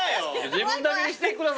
自分だけにしてくださいよ。